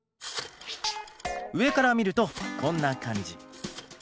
上から見るとこんな感じ。